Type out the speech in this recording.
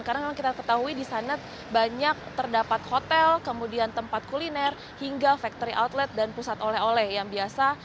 karena memang kita ketahui di sana banyak terdapat hotel kemudian tempat kuliner hingga factory outlet dan pusat oleh oleh yang biasa